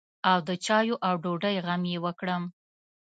او د چايو او ډوډۍ غم يې وکړم.